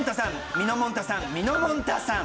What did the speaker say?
みのもんたさんみのもんたさん！